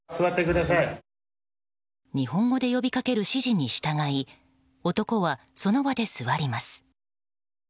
日本語で呼びかける指示に従い男はその場で座ります。